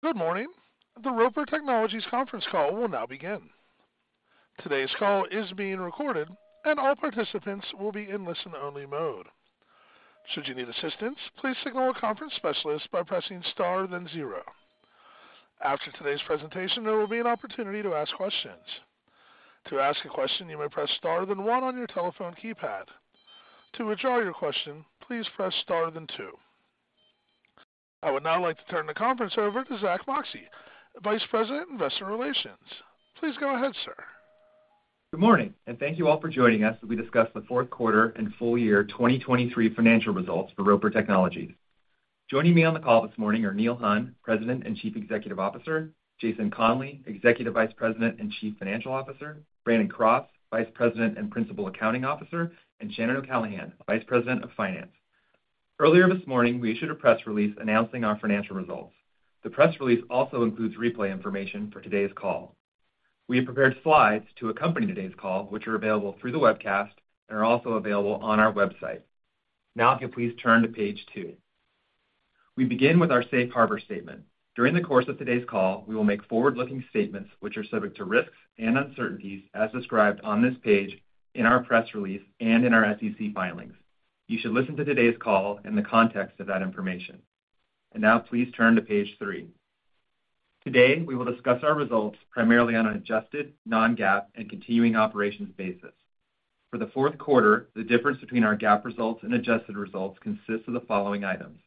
Good morning. The Roper Technologies conference call will now begin. Today's call is being recorded, and all participants will be in listen-only mode. Should you need assistance, please signal a conference specialist by pressing Star then zero. After today's presentation, there will be an opportunity to ask questions. To ask a question, you may press Star then one on your telephone keypad. To withdraw your question, please press Star then two. I would now like to turn the conference over to Zack Moxcey, Vice President, Investor Relations. Please go ahead, sir. Good morning, and thank you all for joining us as we discuss the fourth quarter and full year 2023 financial results for Roper Technologies. Joining me on the call this morning are Neil Hunn, President and Chief Executive Officer; Jason Conley, Executive Vice President and Chief Financial Officer; Brandon Cross, Vice President and Principal Accounting Officer; and Shannon O'Callaghan, Vice President of Finance. Earlier this morning, we issued a press release announcing our financial results. The press release also includes replay information for today's call. We have prepared slides to accompany today's call, which are available through the webcast and are also available on our website. Now, if you please turn to page two. We begin with our safe harbor statement. During the course of today's call, we will make forward-looking statements which are subject to risks and uncertainties as described on this page, in our press release, and in our SEC filings. You should listen to today's call in the context of that information. Now, please turn to page three. Today, we will discuss our results primarily on an adjusted non-GAAP and continuing operations basis. For the fourth quarter, the difference between our GAAP results and adjusted results consists of the following items: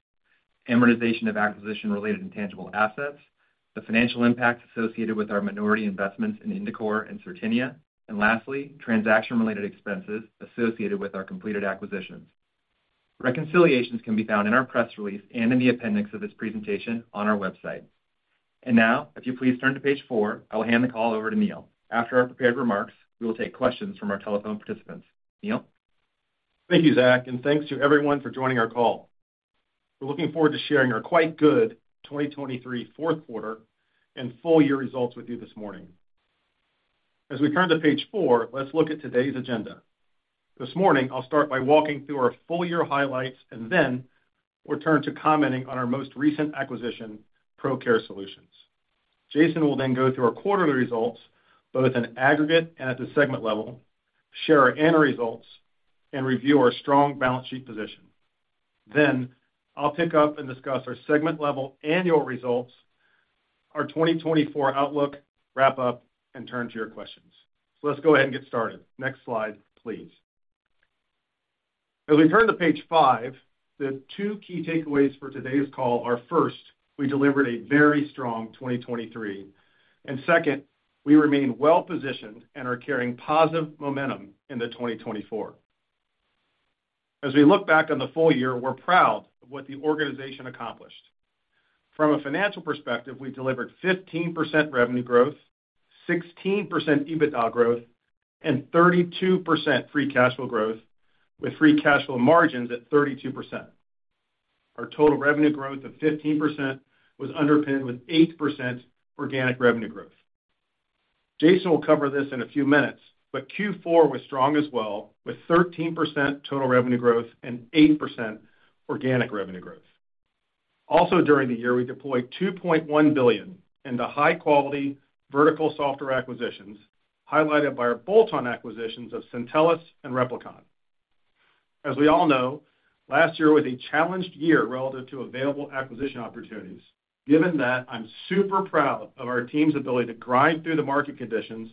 amortization of acquisition-related intangible assets, the financial impacts associated with our minority investments in Indicor and Certinia, and lastly, transaction-related expenses associated with our completed acquisitions. Reconciliations can be found in our press release and in the appendix of this presentation on our website. Now, if you please turn to page four, I will hand the call over to Neil. After our prepared remarks, we will take questions from our telephone participants. Neil? Thank you, Zack, and thanks to everyone for joining our call. We're looking forward to sharing our quite good 2023 fourth quarter and full year results with you this morning. As we turn to page four, let's look at today's agenda. This morning, I'll start by walking through our full year highlights, and then we'll turn to commenting on our most recent acquisition, Procare Solutions. Jason will then go through our quarterly results, both in aggregate and at the segment level, share our annual results, and review our strong balance sheet position. Then I'll pick up and discuss our segment-level annual results, our 2024 outlook, wrap up, and turn to your questions. So let's go ahead and get started. Next slide, please. As we turn to page five, the two key takeaways for today's call are, first, we delivered a very strong 2023, and second, we remain well-positioned and are carrying positive momentum into 2024. As we look back on the full year, we're proud of what the organization accomplished. From a financial perspective, we delivered 15% revenue growth, 16% EBITDA growth, and 32% free cash flow growth, with free cash flow margins at 32%. Our total revenue growth of 15% was underpinned with 8% organic revenue growth. Jason will cover this in a few minutes, but Q4 was strong as well, with 13% total revenue growth and 8% organic revenue growth. Also, during the year, we deployed $2.1 billion into high-quality vertical software acquisitions, highlighted by our bolt-on acquisitions of Syntellis and Replicon. As we all know, last year was a challenged year relative to available acquisition opportunities. Given that, I'm super proud of our team's ability to grind through the market conditions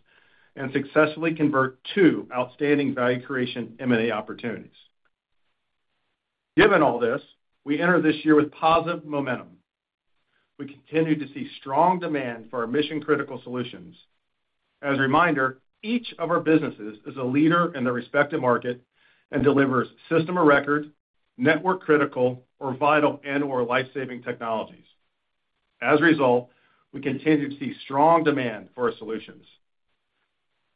and successfully convert two outstanding value creation M&A opportunities. Given all this, we enter this year with positive momentum. We continue to see strong demand for our mission-critical solutions. As a reminder, each of our businesses is a leader in their respective market and delivers system or record, network critical, or vital and/or life-saving technologies. As a result, we continue to see strong demand for our solutions.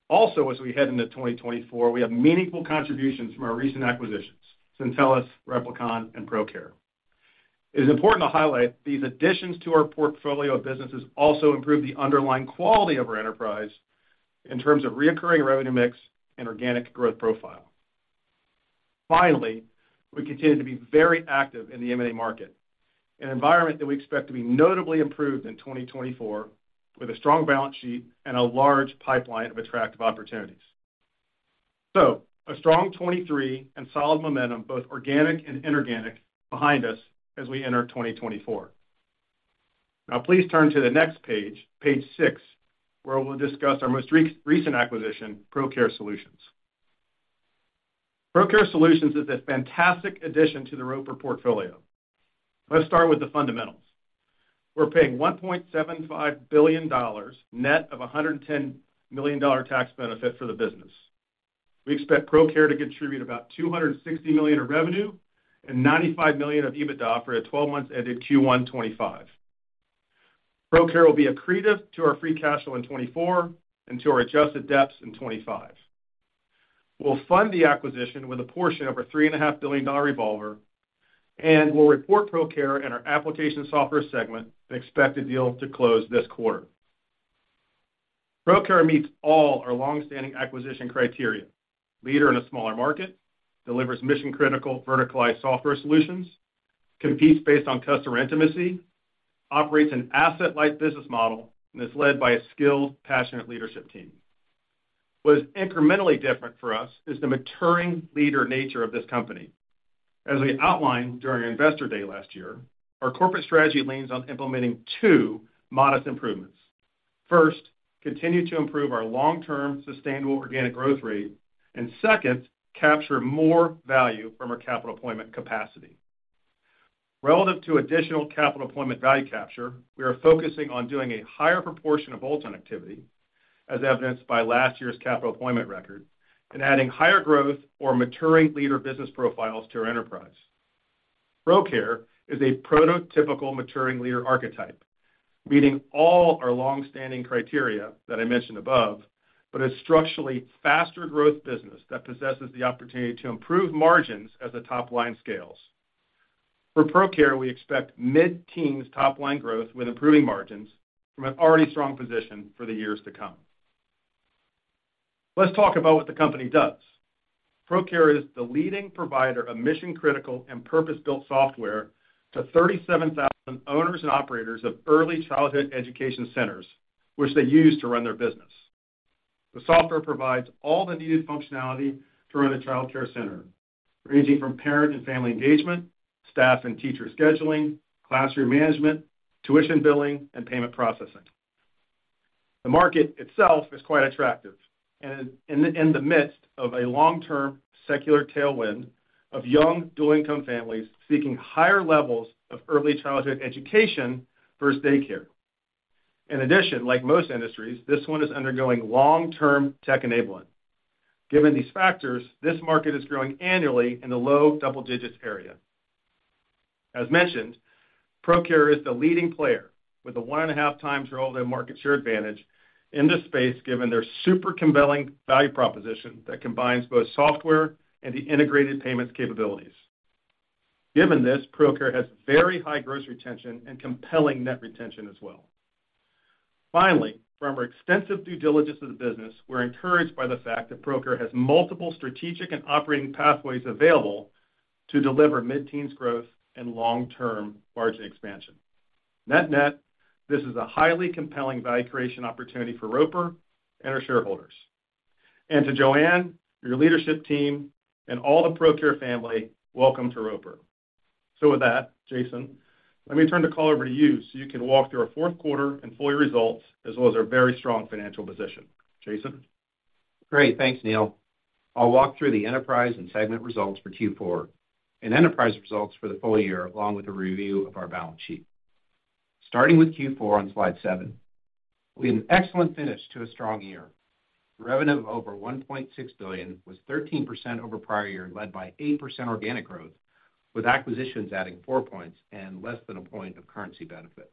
Also, as we head into 2024, we have meaningful contributions from our recent acquisitions, Syntellis, Replicon, and Procare. It's important to highlight these additions to our portfolio of businesses also improve the underlying quality of our enterprise in terms of recurring revenue mix and organic growth profile. Finally, we continue to be very active in the M&A market, an environment that we expect to be notably improved in 2024, with a strong balance sheet and a large pipeline of attractive opportunities. So a strong 2023 and solid momentum, both organic and inorganic, behind us as we enter 2024. Now, please turn to the next page, page six, where we'll discuss our most recent acquisition, Procare Solutions. Procare Solutions is a fantastic addition to the Roper portfolio. Let's start with the fundamentals. We're paying $1.75 billion, net of a $110 million tax benefit for the business. We expect Procare to contribute about $260 million of revenue and $95 million of EBITDA for a 12-month ended Q1 2025. Procare will be accretive to our free cash flow in 2024 and to our adjusted EPS in 2025. We'll fund the acquisition with a portion of our $3.5 billion revolver, and we'll report Procare in our application software segment and expect the deal to close this quarter. Procare meets all our long-standing acquisition criteria. Leader in a smaller market, delivers mission-critical, verticalized software solutions, competes based on customer intimacy, operates an asset-light business model, and is led by a skilled, passionate leadership team. What is incrementally different for us is the maturing leader nature of this company. As we outlined during our Investor Day last year, our corporate strategy leans on implementing two modest improvements. First, continue to improve our long-term, sustainable organic growth rate, and second, capture more value from our capital deployment capacity. Relative to additional capital deployment value capture, we are focusing on doing a higher proportion of bolt-on activity, as evidenced by last year's capital deployment record, and adding higher growth or maturing leader business profiles to our enterprise. Procare is a prototypical maturing leader archetype, meeting all our long-standing criteria that I mentioned above, but a structurally faster growth business that possesses the opportunity to improve margins as the top line scales. For Procare, we expect mid-teens top line growth with improving margins from an already strong position for the years to come. Let's talk about what the company does. Procare is the leading provider of mission-critical and purpose-built software to 37,000 owners and operators of early childhood education centers, which they use to run their business. The software provides all the needed functionality to run a childcare center, ranging from parent and family engagement, staff and teacher scheduling, classroom management, tuition billing, and payment processing. The market itself is quite attractive, and in the midst of a long-term secular tailwind of young dual-income families seeking higher levels of early childhood education versus daycare. In addition, like most industries, this one is undergoing long-term tech enablement. Given these factors, this market is growing annually in the low double-digit area. As mentioned, Procare is the leading player with a one and a half times relative market share advantage in this space, given their super compelling value proposition that combines both software and the integrated payments capabilities. Given this, Procare has very high gross retention and compelling net retention as well. Finally, from our extensive due diligence of the business, we're encouraged by the fact that Procare has multiple strategic and operating pathways available to deliver mid-teens growth and long-term margin expansion. Net-net, this is a highly compelling value creation opportunity for Roper and our shareholders. And to JoAnn, your leadership team, and all the Procare family, welcome to Roper. So with that, Jason, let me turn the call over to you so you can walk through our fourth quarter and full year results, as well as our very strong financial position. Jason? Great. Thanks, Neil. I'll walk through the enterprise and segment results for Q4 and enterprise results for the full year, along with a review of our balance sheet. Starting with Q4 on slide seven, we had an excellent finish to a strong year. Revenue of over $1.6 billion was 13% over prior year, led by 8% organic growth, with acquisitions adding 4 points and less than a point of currency benefit.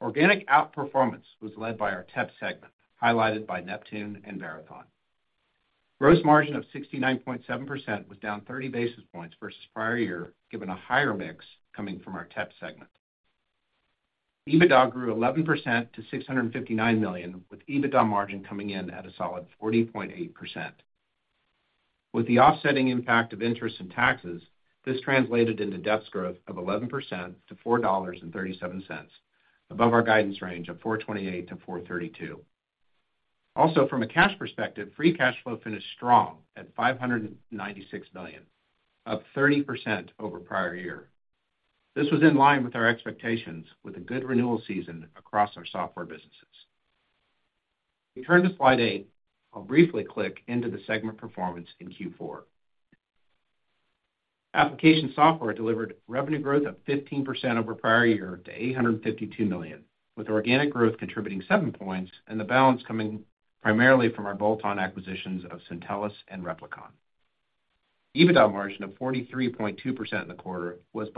Organic outperformance was led by our tech segment, highlighted by Neptune and Verathon. Gross margin of 69.7% was down 30 basis points versus prior year, given a higher mix coming from our tech segment. EBITDA grew 11% to $659 million, with EBITDA margin coming in at a solid 40.8%. With the offsetting impact of interest and taxes, this translated into DEPS growth of 11% to $4.37, above our guidance range of $4.28-$4.32. Also, from a cash perspective, free cash flow finished strong at $596 million, up 30% over prior year. This was in line with our expectations, with a good renewal season across our software businesses. We turn to slide 8. I'll briefly click into the segment performance in Q4. Application Software delivered revenue growth of 15% over prior year to $852 million, with organic growth contributing 7 points and the balance coming primarily from our bolt-on acquisitions of Syntellis and Replicon. EBITDA margin of 43.2% in the quarter was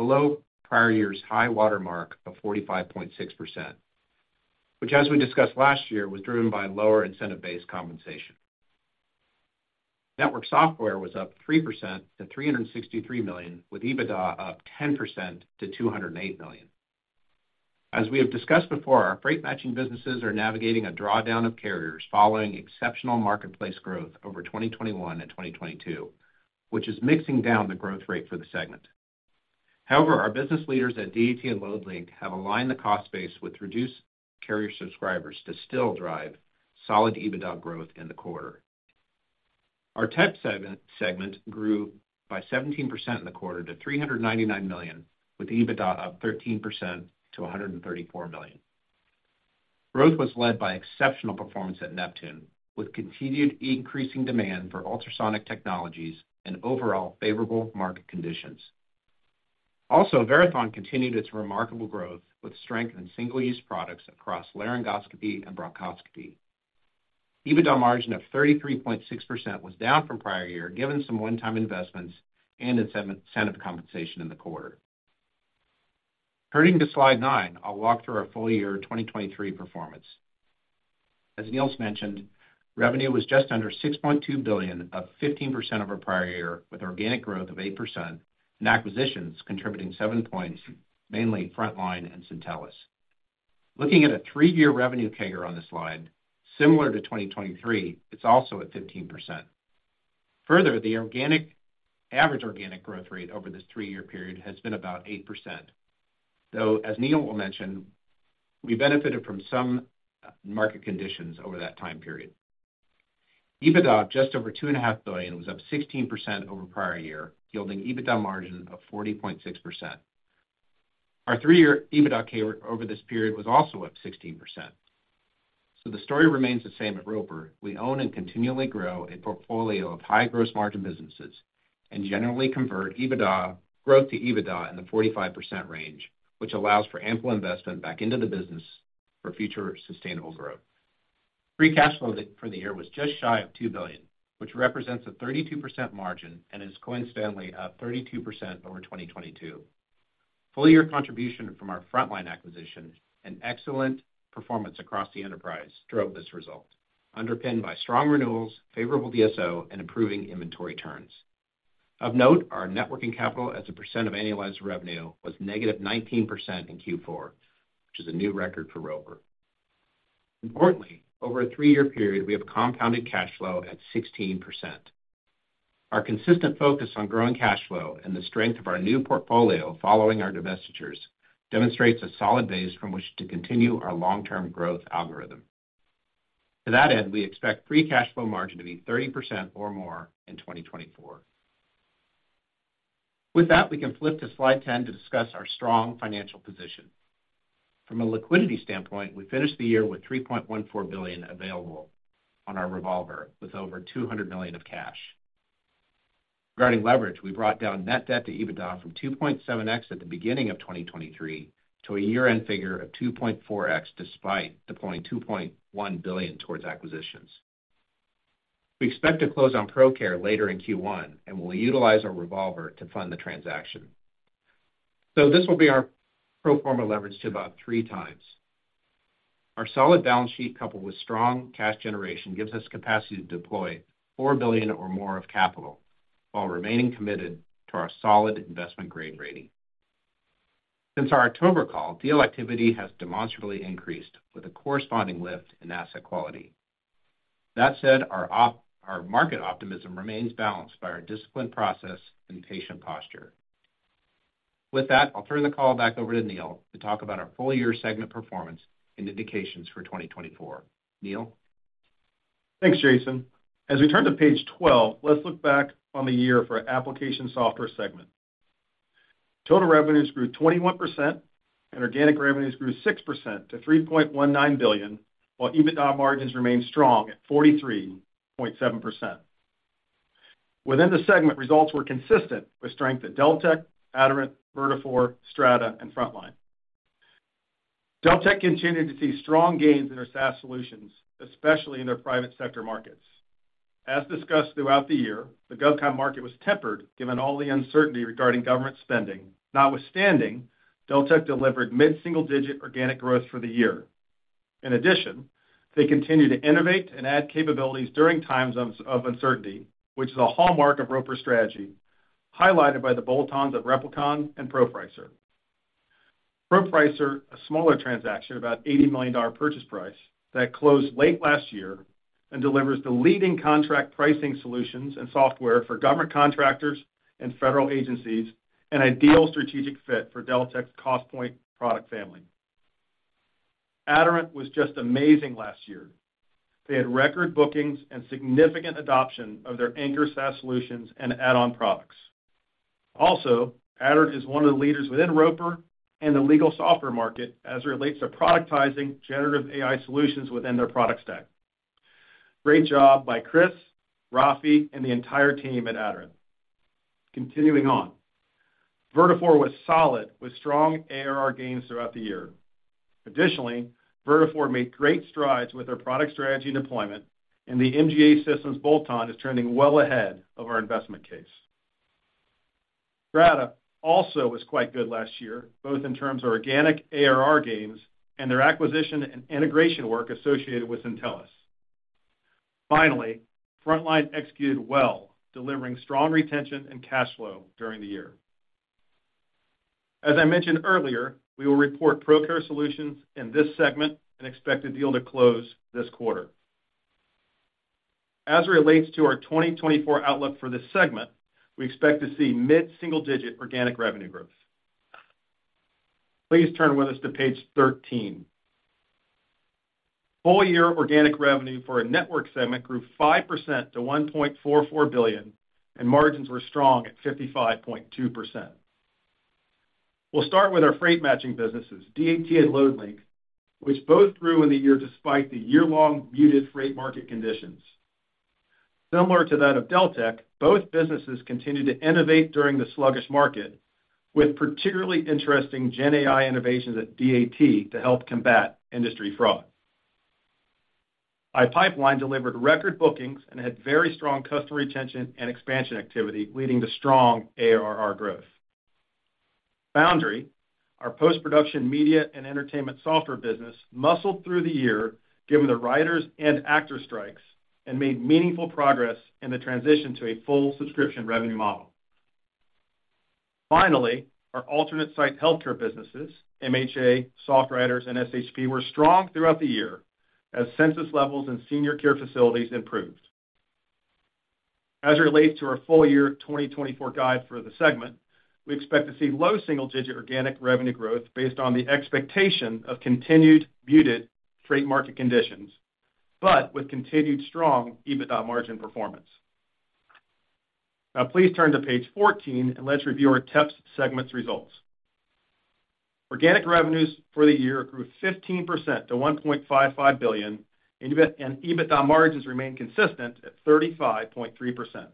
below prior year's high watermark of 45.6%, which, as we discussed last year, was driven by lower incentive-based compensation. Network software was up 3% to $363 million, with EBITDA up 10% to $208 million. As we have discussed before, our freight matching businesses are navigating a drawdown of carriers following exceptional marketplace growth over 2021 and 2022, which is mixing down the growth rate for the segment. However, our business leaders at DAT and Loadlink have aligned the cost base with reduced carrier subscribers to still drive solid EBITDA growth in the quarter. Our tech segment grew by 17% in the quarter to $399 million, with EBITDA up 13% to $134 million. Growth was led by exceptional performance at Neptune, with continued increasing demand for ultrasonic technologies and overall favorable market conditions. Also, Verathon continued its remarkable growth, with strength in single-use products across laryngoscopy and bronchoscopy. EBITDA margin of 33.6% was down from prior year, given some one-time investments and incentive compensation in the quarter. Turning to slide nine, I'll walk through our full year 2023 performance. As Neil's mentioned, revenue was just under $6.2 billion, up 15% over prior year, with organic growth of 8% and acquisitions contributing 7 points, mainly Frontline and Syntellis. Looking at a three-year revenue CAGR on this slide, similar to 2023, it's also at 15%. Further, the organic, average organic growth rate over this three-year period has been about 8%. Though, as Neil will mention, we benefited from some market conditions over that time period. EBITDA, just over $2.5 billion, was up 16% over prior year, yielding EBITDA margin of 40.6%. Our three-year EBITDA CAGR over this period was also up 16%. So the story remains the same at Roper. We own and continually grow a portfolio of high gross margin businesses and generally convert EBITDA growth to EBITDA in the 45% range, which allows for ample investment back into the business for future sustainable growth. Free cash flow for the year was just shy of $2 billion, which represents a 32% margin and is coincidentally up 32% over 2022. Full-year contribution from our Frontline acquisition and excellent performance across the enterprise drove this result, underpinned by strong renewals, favorable DSO, and improving inventory turns. Of note, our net working capital as a percent of annualized revenue was -19% in Q4, which is a new record for Roper. Importantly, over a three-year period, we have compounded cash flow at 16%. Our consistent focus on growing cash flow and the strength of our new portfolio following our divestitures demonstrates a solid base from which to continue our long-term growth algorithm. To that end, we expect free cash flow margin to be 30% or more in 2024. With that, we can flip to slide 10 to discuss our strong financial position. From a liquidity standpoint, we finished the year with $3.14 billion available on our revolver, with over $200 million of cash. Regarding leverage, we brought down net debt to EBITDA from 2.7x at the beginning of 2023 to a year-end figure of 2.4x, despite deploying $2.1 billion toward acquisitions. We expect to close on Procare later in Q1, and we'll utilize our revolver to fund the transaction. So this will be our pro forma leverage to about 3x. Our solid balance sheet, coupled with strong cash generation, gives us capacity to deploy $4 billion or more of capital while remaining committed to our solid investment-grade rating. Since our October call, deal activity has demonstrably increased, with a corresponding lift in asset quality. That said, our market optimism remains balanced by our disciplined process and patient posture. With that, I'll turn the call back over to Neil to talk about our full-year segment performance and indications for 2024. Neil? Thanks, Jason. As we turn to page 12, let's look back on the year for our application software segment. Total revenues grew 21%, and organic revenues grew 6% to $3.19 billion, while EBITDA margins remained strong at 43.7%. Within the segment, results were consistent, with strength at Deltek, Aderant, Vertafore, Strata, and Frontline. Deltek continued to see strong gains in their SaaS solutions, especially in their private sector markets. As discussed throughout the year, the GovCon market was tempered given all the uncertainty regarding government spending. Notwithstanding, Deltek delivered mid-single-digit organic growth for the year. In addition, they continued to innovate and add capabilities during times of uncertainty, which is a hallmark of Roper's strategy, highlighted by the bolt-ons of Replicon and ProPricer. ProPricer, a smaller transaction, about $80 million purchase price, that closed late last year and delivers the leading contract pricing solutions and software for government contractors and federal agencies, an ideal strategic fit for Deltek's Costpoint product family. Aderant was just amazing last year. They had record bookings and significant adoption of their anchor SaaS solutions and add-on products. Also, Aderant is one of the leaders within Roper and the legal software market as it relates to productizing generative AI solutions within their product stack. Great job by Chris, Rafi, and the entire team at Aderant. Continuing on. Vertafore was solid, with strong ARR gains throughout the year. Additionally, Vertafore made great strides with their product strategy and deployment, and the MGA Systems bolt-on is trending well ahead of our investment case. Strata also was quite good last year, both in terms of organic ARR gains and their acquisition and integration work associated with Syntellis. Finally, Frontline executed well, delivering strong retention and cash flow during the year. As I mentioned earlier, we will report Procare Solutions in this segment and expect the deal to close this quarter. As it relates to our 2024 outlook for this segment, we expect to see mid-single-digit organic revenue growth. Please turn with us to page 13. Full-year organic revenue for our network segment grew 5% to $1.44 billion, and margins were strong at 55.2%. We'll start with our freight matching businesses, DAT and Loadlink, which both grew in the year despite the year-long muted freight market conditions. Similar to that of Deltek, both businesses continued to innovate during the sluggish market, with particularly interesting gen AI innovations at DAT to help combat industry fraud. iPipeline delivered record bookings and had very strong customer retention and expansion activity, leading to strong ARR growth. Foundry, our post-production media and entertainment software business, muscled through the year, given the writers' and actors' strikes, and made meaningful progress in the transition to a full subscription revenue model. Finally, our alternate site healthcare businesses, MHA, SoftWriters, and SHP, were strong throughout the year as census levels in senior care facilities improved. As it relates to our full-year 2024 guide for the segment, we expect to see low single-digit organic revenue growth based on the expectation of continued muted freight market conditions, but with continued strong EBITDA margin performance. Now, please turn to page 14, and let's review our TEP segments results. Organic revenues for the year grew 15% to $1.55 billion, and EBITDA margins remained consistent at 35.3%.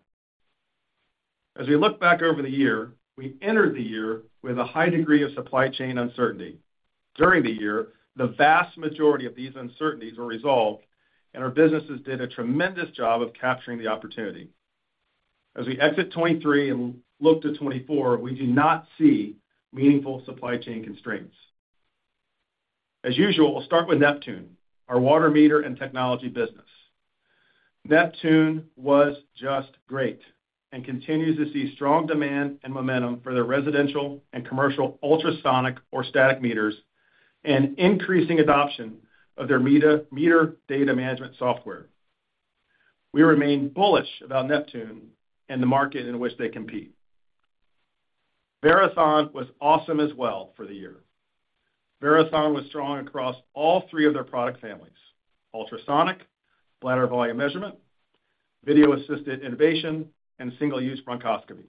As we look back over the year, we entered the year with a high degree of supply chain uncertainty. During the year, the vast majority of these uncertainties were resolved, and our businesses did a tremendous job of capturing the opportunity. As we exit 2023 and look to 2024, we do not see meaningful supply chain constraints. As usual, we'll start with Neptune, our water meter and technology business. Neptune was just great and continues to see strong demand and momentum for their residential and commercial ultrasonic or static meters, and increasing adoption of their meter data management software. We remain bullish about Neptune and the market in which they compete. Verathon was awesome as well for the year. Verathon was strong across all three of their product families: ultrasonic, bladder volume measurement, video-assisted intubation, and single-use bronchoscopy.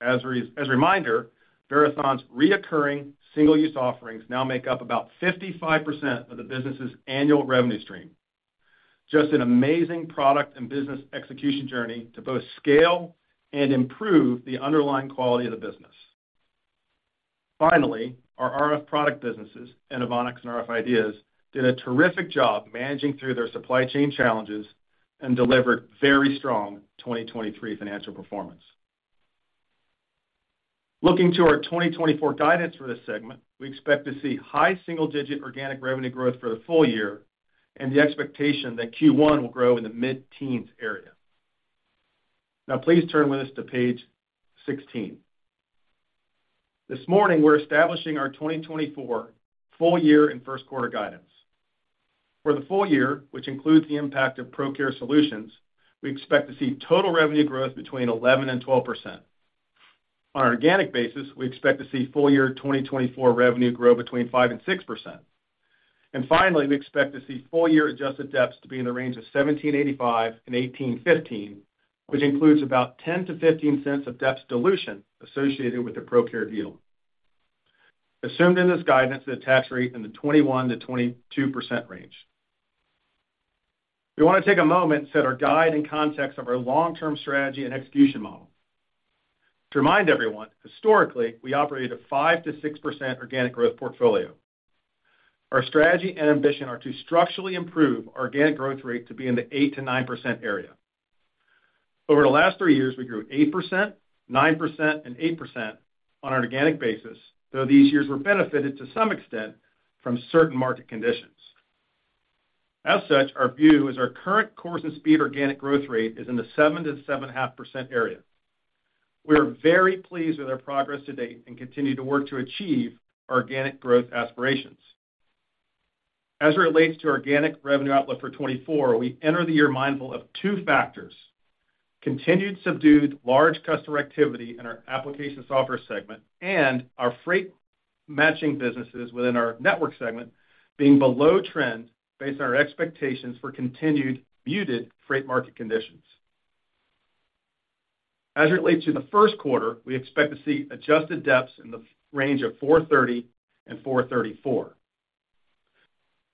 As a reminder, Verathon's recurring single-use offerings now make up about 55% of the business's annual revenue stream. Just an amazing product and business execution journey to both scale and improve the underlying quality of the business. Finally, our RF product businesses, Inovonics and rf IDEAS, did a terrific job managing through their supply chain challenges and delivered very strong 2023 financial performance. Looking to our 2024 guidance for this segment, we expect to see high single-digit organic revenue growth for the full year and the expectation that Q1 will grow in the mid-teens area. Now, please turn with us to page 16. This morning, we're establishing our 2024 full year and first quarter guidance. For the full year, which includes the impact of Procare Solutions, we expect to see total revenue growth between 11%-12%. On an organic basis, we expect to see full year 2024 revenue grow between 5%-6%. And finally, we expect to see full year adjusted EPS to be in the range of $17.85-$18.15, which includes about 10-15 cents of EPS dilution associated with the Procare deal. Assumed in this guidance, the tax rate in the 21%-22% range. We want to take a moment to set our guide in context of our long-term strategy and execution model. To remind everyone, historically, we operate a 5%-6% organic growth portfolio. Our strategy and ambition are to structurally improve our organic growth rate to be in the 8%-9% area. Over the last three years, we grew 8%, 9%, and 8% on an organic basis, though these years were benefited to some extent from certain market conditions. As such, our view is our current course and speed organic growth rate is in the 7%-7.5% area. We are very pleased with our progress to date and continue to work to achieve our organic growth aspirations. As it relates to organic revenue outlook for 2024, we enter the year mindful of two factors: continued subdued large customer activity in our application software segment and our freight matching businesses within our network segment being below trend based on our expectations for continued muted freight market conditions. As it relates to the first quarter, we expect to see adjusted EPS in the range of $4.30-$4.34.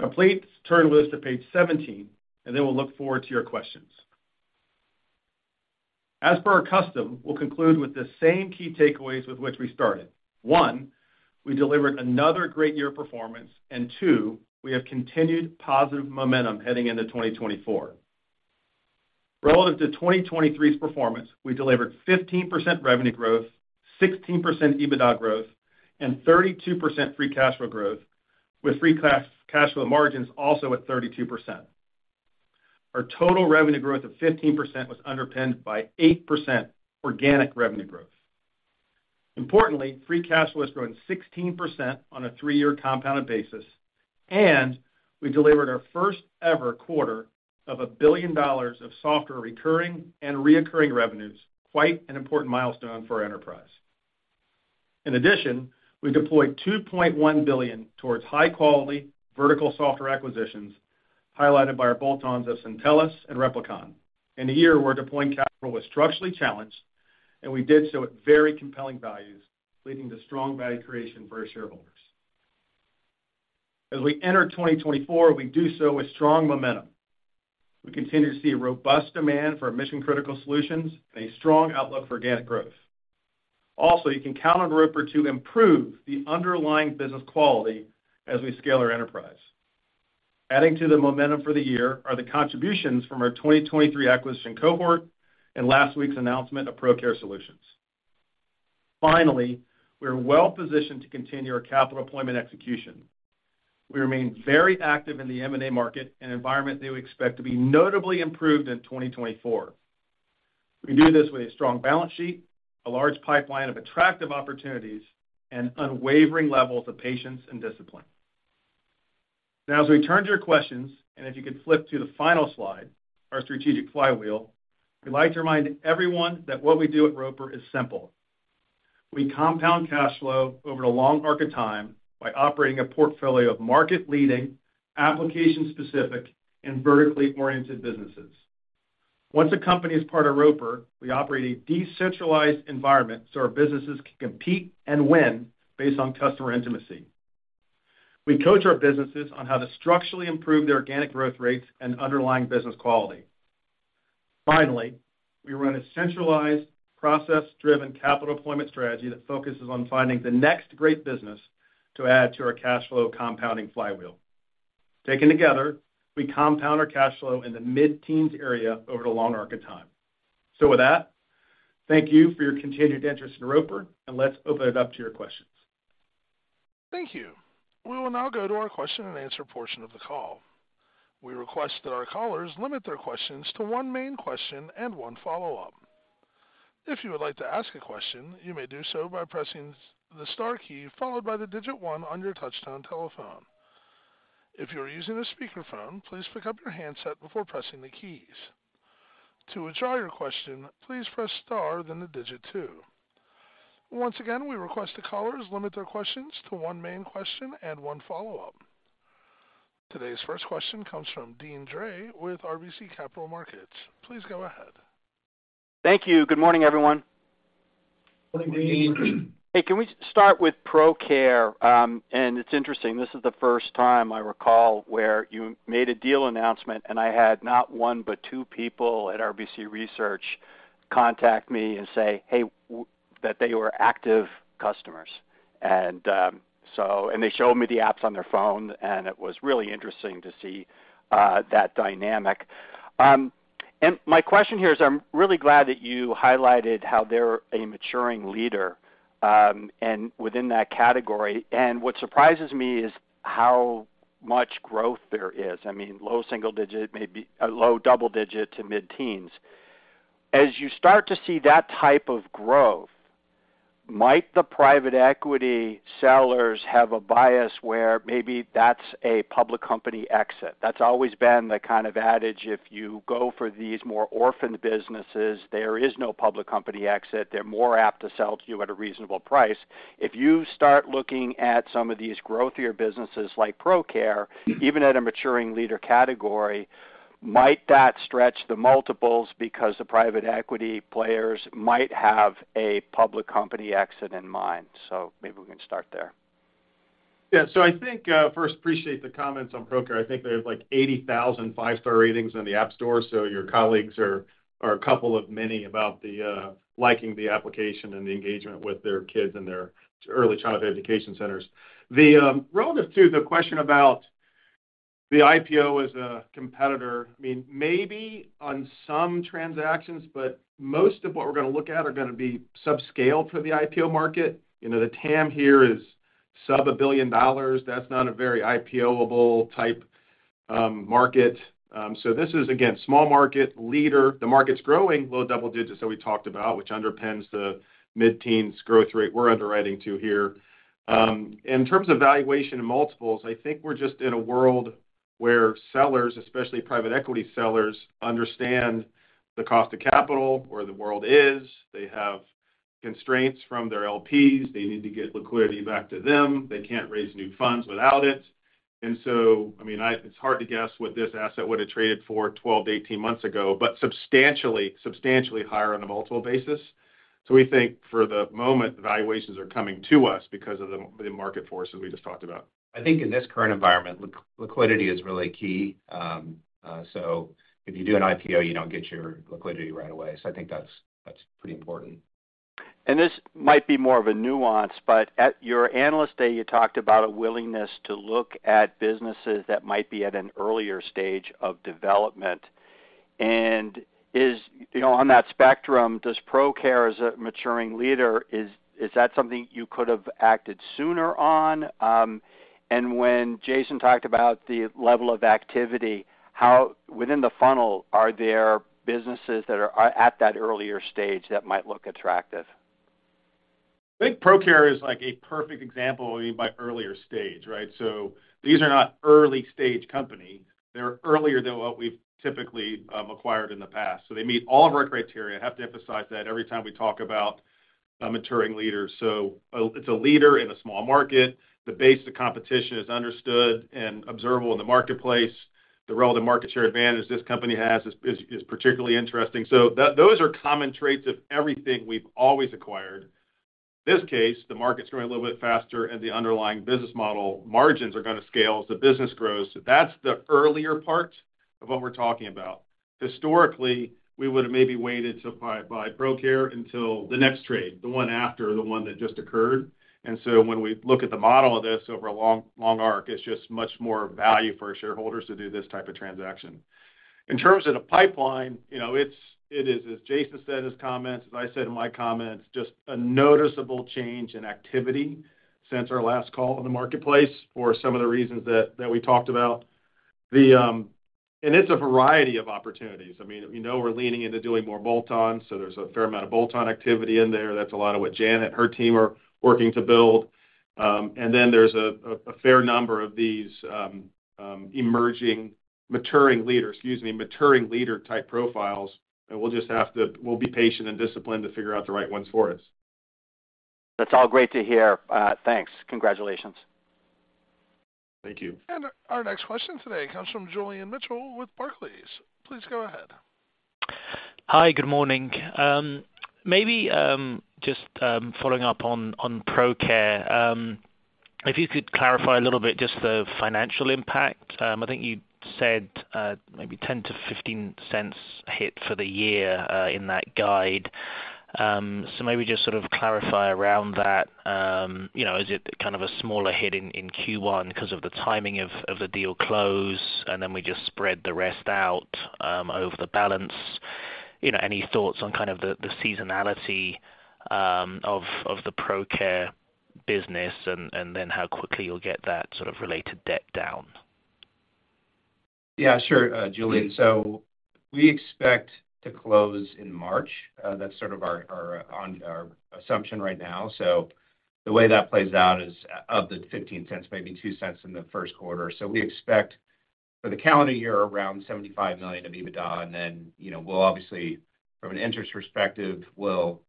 Now, please turn with us to page 17, and then we'll look forward to your questions. As per our custom, we'll conclude with the same key takeaways with which we started. One, we delivered another great year of performance, and two, we have continued positive momentum heading into 2024. Relative to 2023's performance, we delivered 15% revenue growth, 16% EBITDA growth, and 32% free cash flow growth, with free cash flow margins also at 32%. Our total revenue growth of 15% was underpinned by 8% organic revenue growth. Importantly, free cash flow has grown 16% on a three-year compounded basis, and we delivered our first-ever quarter of $250 million of software recurring and reoccurring revenues, quite an important milestone for our enterprise. In addition, we deployed $2.1 billion towards high-quality vertical software acquisitions, highlighted by our bolt-ons of Syntellis and Replicon. In a year where deploying capital was structurally challenged, and we did so at very compelling values, leading to strong value creation for our shareholders. As we enter 2024, we do so with strong momentum. We continue to see a robust demand for our mission-critical solutions and a strong outlook for organic growth. Also, you can count on Roper to improve the underlying business quality as we scale our enterprise. Adding to the momentum for the year are the contributions from our 2023 acquisition cohort and last week's announcement of Procare Solutions. Finally, we are well-positioned to continue our capital deployment execution. We remain very active in the M&A market, an environment that we expect to be notably improved in 2024. We do this with a strong balance sheet, a large pipeline of attractive opportunities, and unwavering levels of patience and discipline. Now, as we turn to your questions, and if you could flip to the final slide, our strategic flywheel, we'd like to remind everyone that what we do at Roper is simple. We compound cash flow over the long arc of time by operating a portfolio of market-leading, application-specific, and vertically oriented businesses. Once a company is part of Roper, we operate a decentralized environment so our businesses can compete and win based on customer intimacy. We coach our businesses on how to structurally improve their organic growth rates and underlying business quality. Finally, we run a centralized, process-driven capital deployment strategy that focuses on finding the next great business to add to our cash flow compounding flywheel. Taken together, we compound our cash flow in the mid-teens area over the long arc of time. So with that, thank you for your continued interest in Roper, and let's open it up to your questions. Thank you. We will now go to our question-and-answer portion of the call. We request that our callers limit their questions to one main question and one follow-up. If you would like to ask a question, you may do so by pressing the star key, followed by the digit one on your touch-tone telephone. If you are using a speakerphone, please pick up your handset before pressing the keys. To withdraw your question, please press star, then the digit two. Once again, we request the callers limit their questions to one main question and one follow-up. Today's first question comes from Deane Dray with RBC Capital Markets. Please go ahead. Thank you. Good morning, everyone. Good morning, Dean. Hey, can we start with Procare? And it's interesting, this is the first time I recall where you made a deal announcement, and I had not one but two people at RBC Research contact me and say, "Hey," that they were active customers. And they showed me the apps on their phone, and it was really interesting to see that dynamic. And my question here is, I'm really glad that you highlighted how they're a maturing leader, and within that category. And what surprises me is how much growth there is. I mean, low single digit, maybe a low double digit to mid-teens. As you start to see that type of growth, might the private equity sellers have a bias where maybe that's a public company exit? That's always been the kind of adage, if you go for these more orphaned businesses, there is no public company exit. They're more apt to sell to you at a reasonable price. If you start looking at some of these growthier businesses like Procare, even at a maturing leader category, might that stretch the multiples because the private equity players might have a public company exit in mind? So maybe we can start there. Yeah. So I think, first, appreciate the comments on Procare. I think there's, like, 80,000 five-star ratings in the App Store, so your colleagues are a couple of many about the liking the application and the engagement with their kids in their early childhood education centers. The relative to the question about the IPO as a competitor, I mean, maybe on some transactions, but most of what we're going to look at are going to be subscale for the IPO market. You know, the TAM here is sub $1 billion. That's not a very IPO-able type market. So this is, again, small market leader. The market's growing low double digits that we talked about, which underpins the mid-teens growth rate we're underwriting to here. In terms of valuation and multiples, I think we're just in a world where sellers, especially private equity sellers, understand the cost of capital, where the world is. They have constraints from their LPs. They need to get liquidity back to them. They can't raise new funds without it. And so, I mean, it's hard to guess what this asset would have traded for 12-18 months ago, but substantially, substantially higher on a multiple basis. So we think for the moment, the valuations are coming to us because of the, the market forces we just talked about. I think in this current environment, liquidity is really key. So if you do an IPO, you don't get your liquidity right away. So I think that's, that's pretty important. This might be more of a nuance, but at your Analyst Day, you talked about a willingness to look at businesses that might be at an earlier stage of development. You know, on that spectrum, does Procare, as a maturing leader, is that something you could have acted sooner on? When Jason talked about the level of activity, how, within the funnel, are there businesses that are at that earlier stage that might look attractive? I think Procare is, like, a perfect example what you mean by earlier stage, right? So these are not early-stage company. They're earlier than what we've typically acquired in the past. So they meet all of our criteria. I have to emphasize that every time we talk about a maturing leader. So it's a leader in a small market. The base of competition is understood and observable in the marketplace. The relative market share advantage this company has is particularly interesting. So those are common traits of everything we've always acquired. This case, the market's growing a little bit faster, and the underlying business model margins are going to scale as the business grows. So that's the earlier part of what we're talking about. Historically, we would have maybe waited to buy Procare until the next trade, the one after the one that just occurred. So when we look at the model of this over a long, long arc, it's just much more value for our shareholders to do this type of transaction. In terms of the pipeline, you know, it's it is, as Jason said in his comments, as I said in my comments, just a noticeable change in activity since our last call in the marketplace for some of the reasons that we talked about... The, and it's a variety of opportunities. I mean, we know we're leaning into doing more bolt-ons, so there's a fair amount of bolt-on activity in there. That's a lot of what Janet and her team are working to build. And then there's a fair number of these emerging, maturing leaders, excuse me, maturing leader type profiles, and we'll just have to be patient and disciplined to figure out the right ones for us. That's all great to hear. Thanks. Congratulations. Thank you. Our next question today comes from Julian Mitchell with Barclays. Please go ahead. Hi, good morning. Maybe just following up on ProCare. If you could clarify a little bit just the financial impact. I think you said maybe $0.10-$0.15 hit for the year in that guide. So maybe just sort of clarify around that. You know, is it kind of a smaller hit in Q1 because of the timing of the deal close, and then we just spread the rest out over the balance? You know, any thoughts on kind of the seasonality of the ProCare business, and then how quickly you'll get that sort of related debt down? Yeah, sure, Julian. So we expect to close in March. That's sort of our own assumption right now. So the way that plays out is, of the $0.15, maybe $0.02 in the first quarter. So we expect for the calendar year, around $75 million of EBITDA, and then, you know, we'll obviously, from an interest perspective, we'll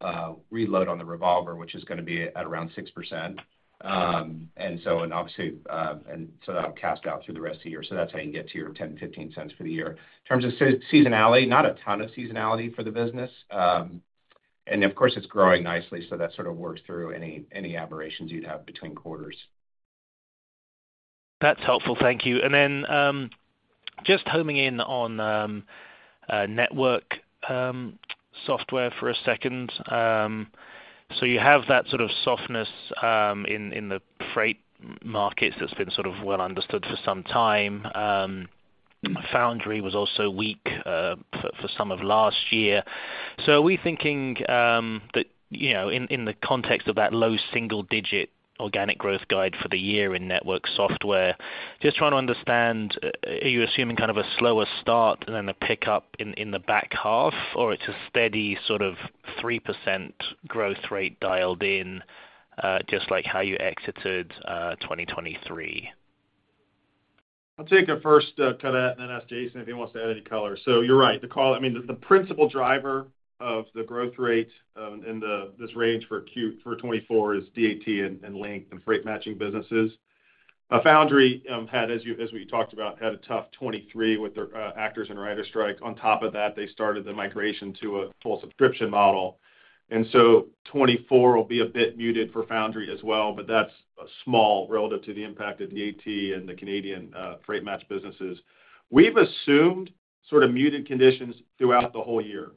reload on the revolver, which is gonna be at around 6%. And so and obviously, and so that'll cast out through the rest of the year. So that's how you get to your $0.10-$0.15 for the year. In terms of seasonality, not a ton of seasonality for the business. And of course, it's growing nicely, so that sort of works through any, any aberrations you'd have between quarters. That's helpful. Thank you. And then, just homing in on network software for a second. So you have that sort of softness in the freight markets that's been sort of well understood for some time. Foundry was also weak for some of last year. So are we thinking that you know in the context of that low single-digit organic growth guide for the year in network software, just trying to understand, are you assuming kind of a slower start than a pickup in the back half, or it's a steady sort of 3% growth rate dialed in, just like how you exited 2023? I'll take a first cut at and then ask Jason if he wants to add any color. So you're right. I mean, the principal driver of the growth rate in this range for Q for 2024 is DAT and Loadlink and freight matching businesses. Foundry had, as we talked about, a tough 2023 with their actors and writers strike. On top of that, they started the migration to a full subscription model, and so 2024 will be a bit muted for Foundry as well, but that's small relative to the impact of DAT and the Canadian freight match businesses. We've assumed sort of muted conditions throughout the whole year.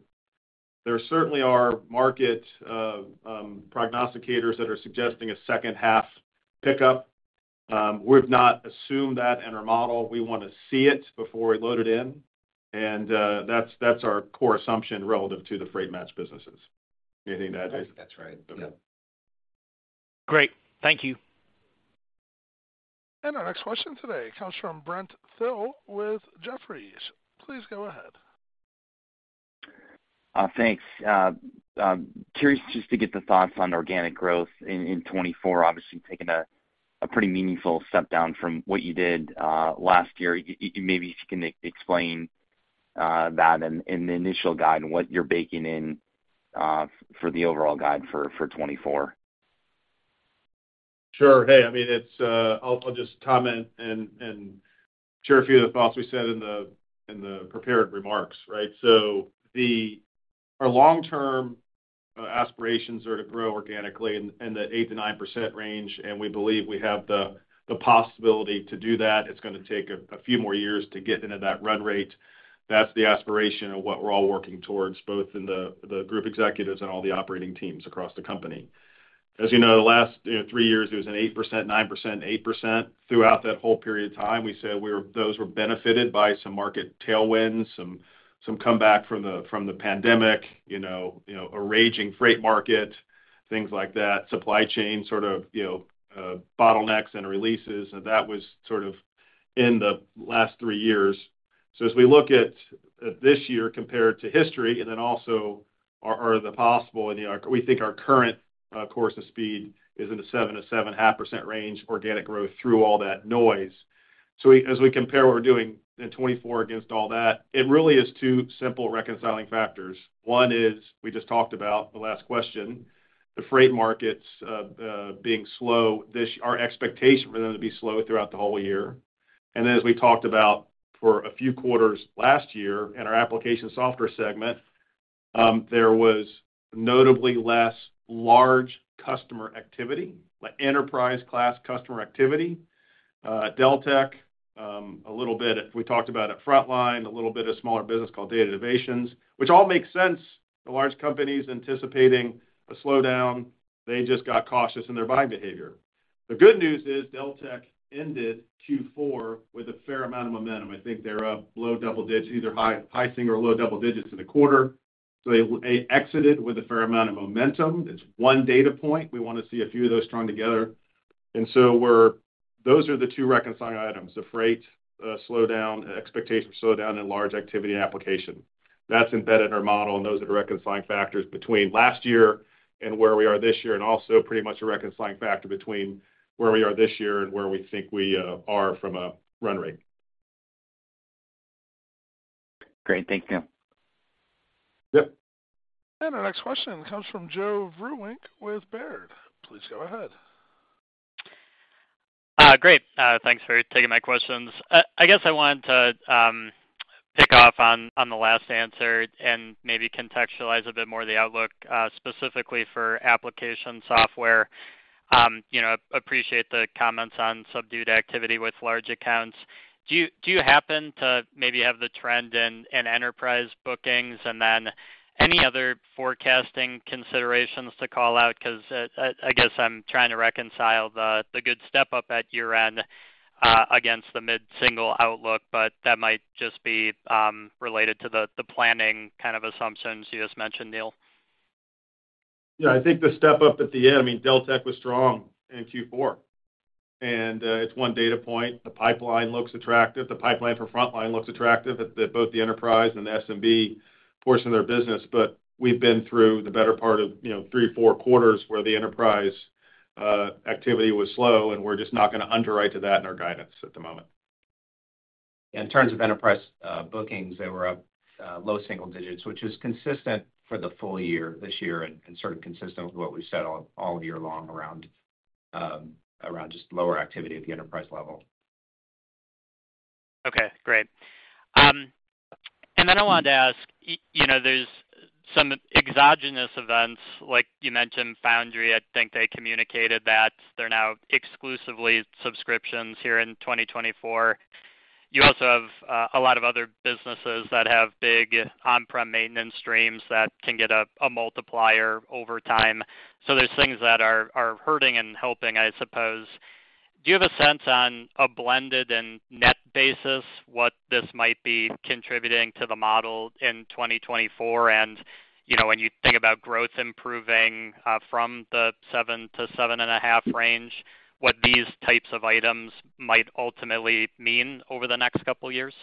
There certainly are market prognosticators that are suggesting a second-half pickup. We've not assumed that in our model. We want to see it before we load it in, and that's our core assumption relative to the freight match businesses. Anything to add, Jason? That's right. Yeah. Great. Thank you. Our next question today comes from Brent Thill with Jefferies. Please go ahead. Thanks. Curious just to get the thoughts on organic growth in 2024, obviously taking a pretty meaningful step down from what you did last year. Maybe if you can explain that and the initial guide and what you're baking in for the overall guide for 2024. Sure. Hey, I mean, it's. I'll just comment and share a few of the thoughts we said in the prepared remarks, right? So our long-term aspirations are to grow organically in the 8%-9% range, and we believe we have the possibility to do that. It's gonna take a few more years to get into that run rate. That's the aspiration of what we're all working towards, both in the group executives and all the operating teams across the company. As you know, the last, you know, three years, it was an 8%, 9%, 8%. Throughout that whole period of time, we said we were. Those were benefited by some market tailwinds, some comeback from the pandemic, you know, a raging freight market, things like that. Supply chain sort of, you know, bottlenecks and releases, and that was sort of in the last three years. So as we look at this year compared to history and then also, you know, we think our current course of speed is in a 7%-7.5% range, organic growth through all that noise. So as we compare what we're doing in 2024 against all that, it really is two simple reconciling factors. One is, we just talked about the last question, the freight markets being slow. This year, our expectation for them to be slow throughout the whole year. And then, as we talked about for a few quarters last year, in our application software segment, there was notably less large customer activity, like enterprise-class customer activity. Deltek, a little bit, we talked about at Frontline, a little bit of smaller business called Data Innovations, which all makes sense. The large companies anticipating a slowdown, they just got cautious in their buying behavior. The good news is Deltek ended Q4 with a fair amount of momentum. I think they're up low double digits, either high single or low double digits in the quarter. So it exited with a fair amount of momentum. It's one data point. We wanna see a few of those strung together. And so we're- those are the two reconciling items, the freight slowdown, expectation of slowdown and large activity and application. That's embedded in our model, and those are the reconciling factors between last year and where we are this year, and also pretty much a reconciling factor between where we are this year and where we think we are from a run rate. Great. Thank you. Yep. Our next question comes from Joe Vruwink with Baird. Please go ahead. Great. Thanks for taking my questions. I guess I wanted to pick off on the last answer and maybe contextualize a bit more the outlook, specifically for application software. You know, appreciate the comments on subdued activity with large accounts. Do you happen to maybe have the trend in enterprise bookings? And then any other forecasting considerations to call out? 'Cause I guess I'm trying to reconcile the good step up at year-end against the mid-single outlook, but that might just be related to the planning kind of assumptions you just mentioned, Neil. Yeah, I think the step up at the end, I mean, Deltek was strong in Q4, and it's one data point. The pipeline looks attractive. The pipeline for Frontline looks attractive at both the enterprise and the SMB portion of their business. But we've been through the better part of, you know, three, four quarters where the enterprise activity was slow, and we're just not gonna underwrite to that in our guidance at the moment. In terms of enterprise bookings, they were up low single digits, which is consistent for the full year this year and sort of consistent with what we've said all year long around just lower activity at the enterprise level. Okay, great. And then I wanted to ask, you know, there's some exogenous events, like you mentioned, Foundry. I think they communicated that they're now exclusively subscriptions here in 2024. You also have a lot of other businesses that have big on-prem maintenance streams that can get a multiplier over time. So there's things that are hurting and helping, I suppose. Do you have a sense on a blended and net basis, what this might be contributing to the model in 2024? And, you know, when you think about growth improving from the 7-7.5 range, what these types of items might ultimately mean over the next couple of years?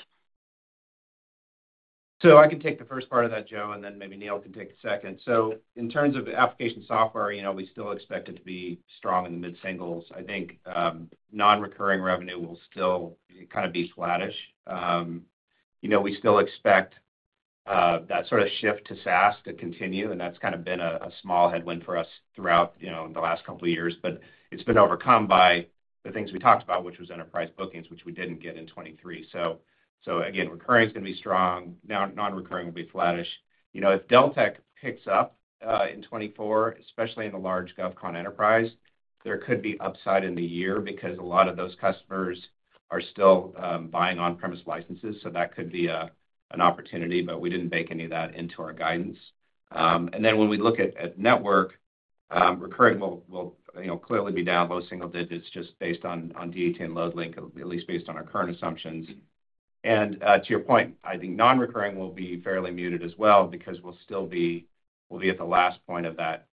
So I can take the first part of that, Joe, and then maybe Neil can take the second. So in terms of application software, you know, we still expect it to be strong in the mid-singles. I think, non-recurring revenue will still kind of be flattish. You know, we still expect that sort of shift to SaaS to continue, and that's kind of been a small headwind for us throughout, you know, the last couple of years. But it's been overcome by the things we talked about, which was enterprise bookings, which we didn't get in 2023. So again, recurring is gonna be strong, nonrecurring will be flattish. You know, if Deltek picks up in 2024, especially in the large GovCon enterprise, there could be upside in the year because a lot of those customers are still buying on-premise licenses, so that could be an opportunity, but we didn't bake any of that into our guidance. And then when we look at network, recurring will, you know, clearly be down low single digits just based on DAT and Loadlink, at least based on our current assumptions. And to your point, I think non-recurring will be fairly muted as well because we'll still be. We'll be at the last point of that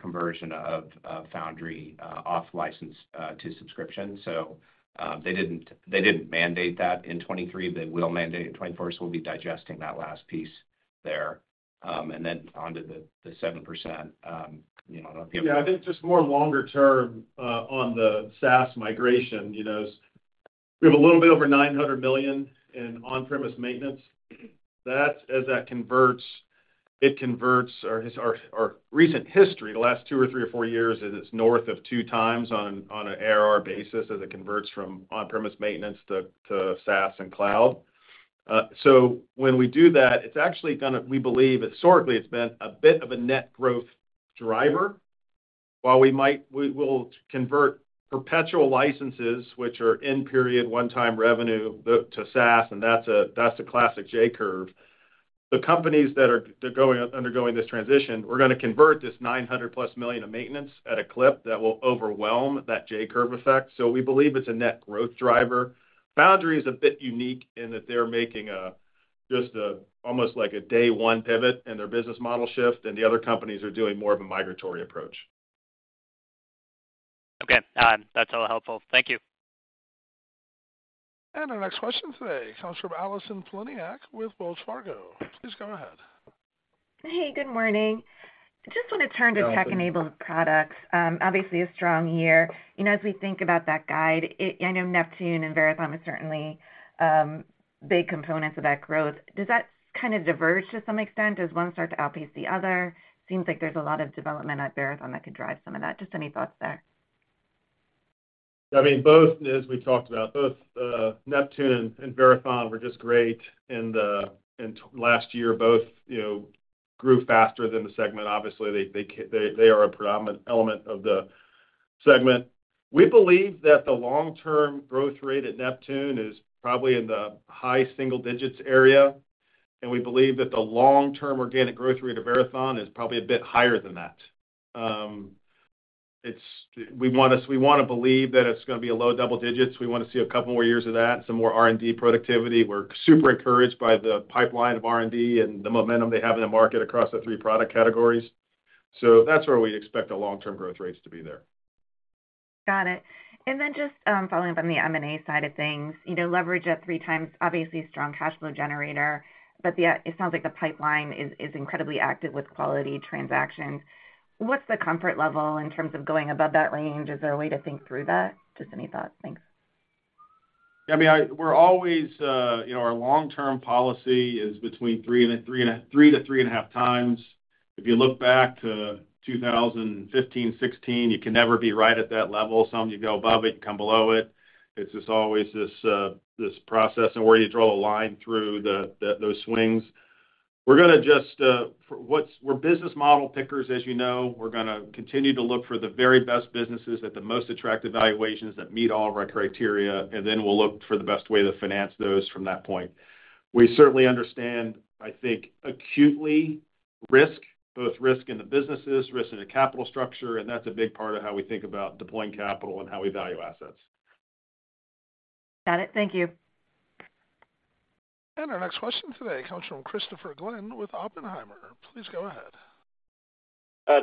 conversion of Foundry off license to subscription. So, they didn't mandate that in 2023. They will mandate it in 2024, so we'll be digesting that last piece there. And then onto the 7%, you know- Yeah, I think just more longer term, on the SaaS migration, you know, we have a little bit over $900 million in on-premise maintenance. That, as that converts, it converts. Our recent history, the last two or three or four years, is it's north of two times on an ARR basis as it converts from on-premise maintenance to SaaS and cloud. So when we do that, it's actually gonna, we believe historically, it's been a bit of a net growth driver. While we might. We'll convert perpetual licenses, which are end-period, one-time revenue, to SaaS, and that's a classic J-curve. The companies that are, they're undergoing this transition, we're gonna convert this $900+ million of maintenance at a clip that will overwhelm that J-curve effect. So we believe it's a net growth driver. Foundry is a bit unique in that they're making a, just a, almost like a day one pivot in their business model shift, and the other companies are doing more of a migratory approach. Okay. That's all helpful. Thank you. Our next question today comes from Allison Poliniak with Wells Fargo. Please go ahead. Hey, good morning. Just want to turn to tech-enabled products. Obviously a strong year. You know, as we think about that guide, I know Neptune and Verathon are certainly big components of that growth. Does that kind of diverge to some extent? Does one start to outpace the other? Seems like there's a lot of development at Verathon that could drive some of that. Just any thoughts there? I mean, both, as we talked about, both, Neptune and Verathon were just great in last year. Both, you know, grew faster than the segment. Obviously, they are a predominant element of the segment. We believe that the long-term growth rate at Neptune is probably in the high single digits area, and we believe that the long-term organic growth rate of Verathon is probably a bit higher than that. We want to believe that it's gonna be a low double digits. We want to see a couple more years of that, some more R&D productivity. We're super encouraged by the pipeline of R&D and the momentum they have in the market across the three product categories. So that's where we expect the long-term growth rates to be there. Got it. And then just following up on the M&A side of things, you know, leverage at 3x, obviously, strong cash flow generator, but it sounds like the pipeline is incredibly active with quality transactions. What's the comfort level in terms of going above that range? Is there a way to think through that? Just any thoughts. Thanks. I mean, we're always, you know, our long-term policy is between 3x to 3.5x. If you look back to 2015, 2016, you can never be right at that level. Sometimes, you go above it, you come below it. It's just always this process and where you draw a line through those swings. We're gonna just, for what's, we're business model pickers, as you know. We're gonna continue to look for the very best businesses at the most attractive valuations that meet all of our criteria, and then we'll look for the best way to finance those from that point. We certainly understand, I think, acutely, risk, both risk in the businesses, risk in the capital structure, and that's a big part of how we think about deploying capital and how we value assets. Got it. Thank you. Our next question today comes from Christopher Glynn with Oppenheimer. Please go ahead.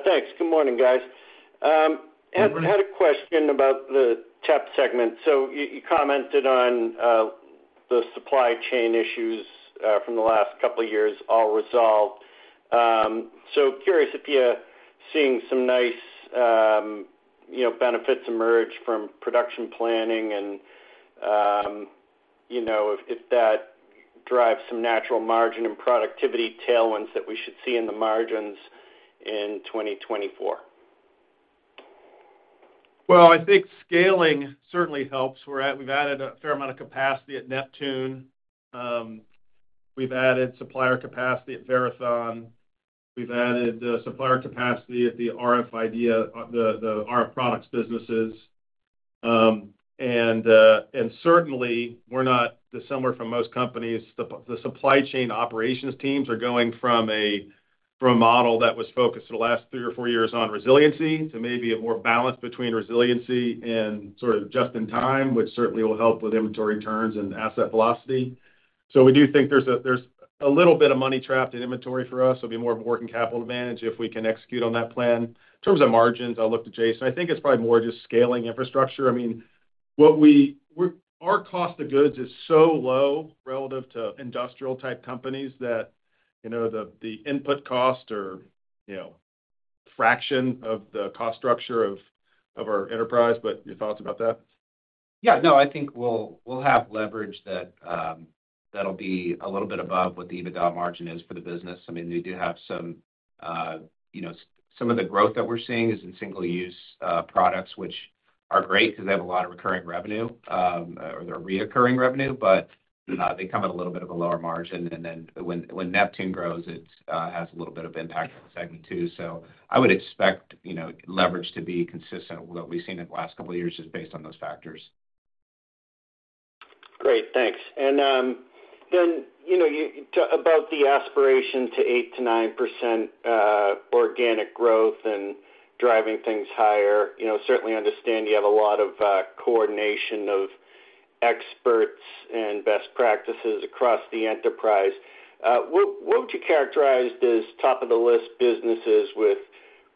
Thanks. Good morning, guys. Had a question about the TEP segment. So you commented on the supply chain issues from the last couple of years, all resolved. So curious if you're seeing some nice, you know, benefits emerge from production planning and, you know, if that drives some natural margin and productivity tailwinds that we should see in the margins in 2024. Well, I think scaling certainly helps. We've added a fair amount of capacity at Neptune. We've added supplier capacity at Verathon. We've added supplier capacity at the RFID, the RF products businesses. And certainly, we're not dissimilar from most companies. The supply chain operations teams are going from a model that was focused for the last three or four years on resiliency to maybe a more balance between resiliency and sort of just in time, which certainly will help with inventory turns and asset velocity. So we do think there's a little bit of money trapped in inventory for us. It'll be more of a working capital advantage if we can execute on that plan. In terms of margins, I'll look to Jason. I think it's probably more just scaling infrastructure. I mean, what our cost of goods is so low relative to industrial-type companies that, you know, the input cost or, you know, fraction of the cost structure of our enterprise. But your thoughts about that? Yeah. No, I think we'll have leverage that'll be a little bit above what the EBITDA margin is for the business. I mean, we do have some, you know, some of the growth that we're seeing is in single-use products, which are great because they have a lot of recurring revenue, or they're reoccurring revenue, but they come at a little bit of a lower margin. And then when Neptune grows, it has a little bit of impact on the segment, too. So I would expect, you know, leverage to be consistent with what we've seen in the last couple of years, just based on those factors. Great, thanks. Then, you know, you about the aspiration to 8%-9% organic growth and driving things higher, you know, certainly understand you have a lot of coordination of experts and best practices across the enterprise. What would you characterize as top-of-the-list businesses with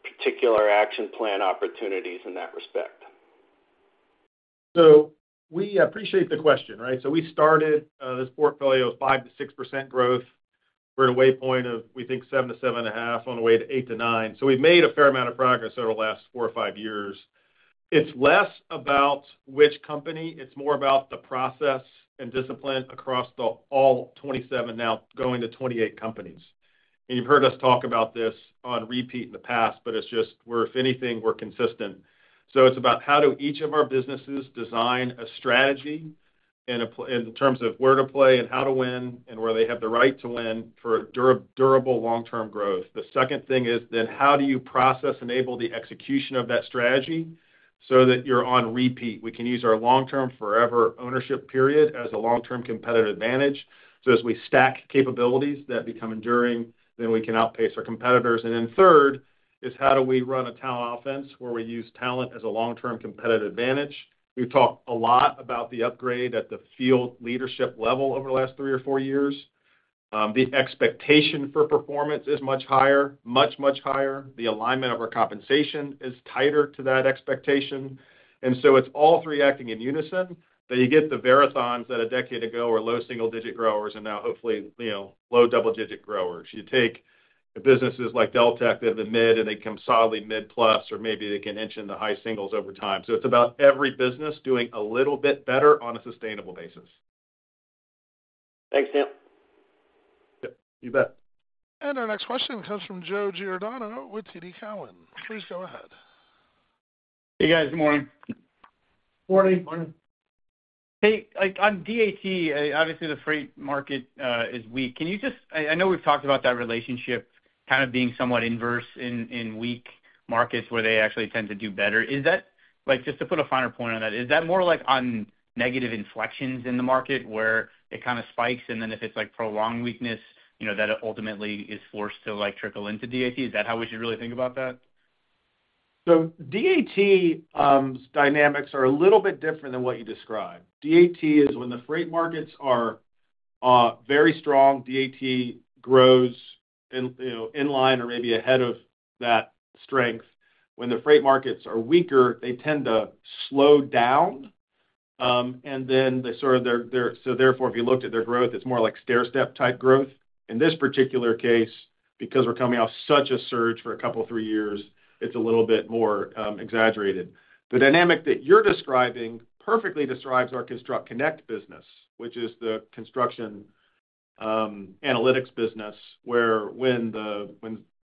particular action plan opportunities in that respect? So we appreciate the question, right? So we started this portfolio of 5%-6% growth. We're in a way point of, we think, 7%-7.5%, on the way to 8%-9%. So we've made a fair amount of progress over the last four or five years. It's less about which company, it's more about the process and discipline across the all 27, now going to 28 companies. And you've heard us talk about this on repeat in the past, but it's just where if anything, we're consistent. So it's about how do each of our businesses design a strategy in terms of where to play and how to win, and where they have the right to win for durable long-term growth. The second thing is then, how do you process enable the execution of that strategy so that you're on repeat? We can use our long-term forever ownership period as a long-term competitive advantage. So as we stack capabilities that become enduring, then we can outpace our competitors. And then third is, how do we run a talent offense where we use talent as a long-term competitive advantage? We've talked a lot about the upgrade at the field leadership level over the last three or four years. The expectation for performance is much higher, much, much higher. The alignment of our compensation is tighter to that expectation. And so it's all three acting in unison, that you get the Verathons that a decade ago were low single digit growers, and now hopefully, you know, low double digit growers. You take businesses like Deltek, they have the mid, and they come solidly mid plus, or maybe they can inch in the high singles over time. So it's about every business doing a little bit better on a sustainable basis. Thanks, Neil. Yep, you bet. Our next question comes from. Please go ahead. Hey, guys. Good morning. Morning. Morning. Hey, like, on DAT, obviously, the freight market is weak. Can you just. I know we've talked about that relationship kind of being somewhat inverse in weak markets where they actually tend to do better. Is that. Like, just to put a finer point on that, is that more like on negative inflections in the market where it kind of spikes, and then if it's like prolonged weakness, you know, that ultimately is forced to, like, trickle into DAT? Is that how we should really think about that? So DAT dynamics are a little bit different than what you described. DAT is when the freight markets are very strong, DAT grows in, you know, in line or maybe ahead of that strength. When the freight markets are weaker, they tend to slow down, and then they sort of so therefore, if you looked at their growth, it's more like stairstep-type growth. In this particular case, because we're coming off such a surge for a couple, three years, it's a little bit more exaggerated. The dynamic that you're describing perfectly describes our ConstructConnect business, which is the construction analytics business, where, when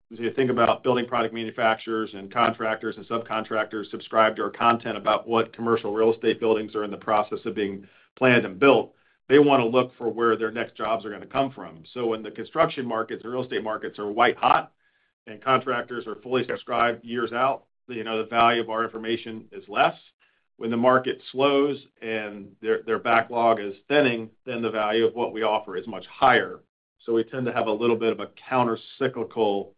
you think about building product manufacturers and contractors and subcontractors subscribe to our content about what commercial real estate buildings are in the process of being planned and built, they want to look for where their next jobs are gonna come from. So when the construction markets or real estate markets are white-hot and contractors are fully subscribed years out, you know, the value of our information is less. When the market slows and their backlog is thinning, then the value of what we offer is much higher. So we tend to have a little bit of a countercyclical,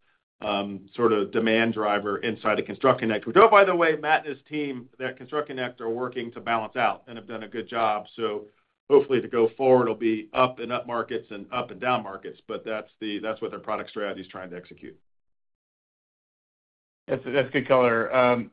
sort of demand driver inside of ConstructConnect, which, oh, by the way, Matt and his team, at ConstructConnect, are working to balance out and have done a good job. So hopefully, to go forward, it'll be up in up markets and up in down markets, but that's what their product strategy is trying to execute. That's good color.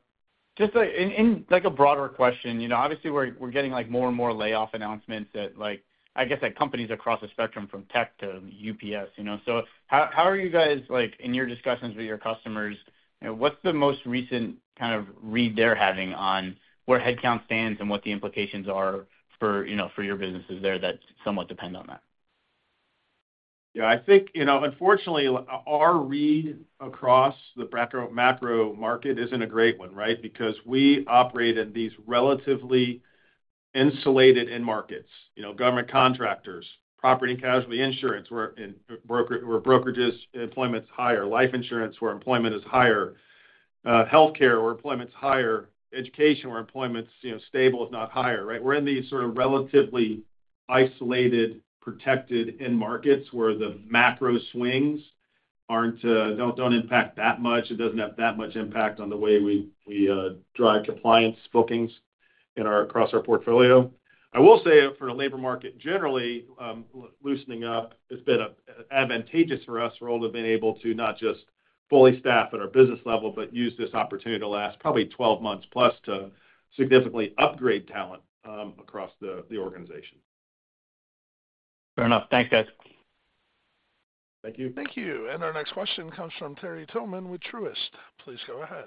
Just like in a broader question, you know, obviously, we're getting like more and more layoff announcements that like I guess like companies across the spectrum, from tech to UPS, you know. So how are you guys like in your discussions with your customers, you know, what's the most recent kind of read they're having on where headcount stands and what the implications are for you know for your businesses there that somewhat depend on that? Yeah, I think, you know, unfortunately, our read across the macro market isn't a great one, right? Because we operate in these relatively insulated end markets, you know, government contractors, property and casualty insurance, where brokerages, employment is higher, life insurance, where employment is higher, healthcare, where employment is higher, education, where employment is, you know, stable, if not higher, right? We're in these sort of relatively isolated, protected end markets where the macro swings aren't, don't impact that much. It doesn't have that much impact on the way we drive compliance bookings across our portfolio. I will say for the labor market, generally, loosening up has been advantageous for us. We're all have been able to not just fully staff at our business level, but use this opportunity to last probably 12 months plus to significantly upgrade talent, across the organization. Fair enough. Thanks, guys. Thank you. Thank you. And our next question comes from Terry Tillman with Truist. Please go ahead.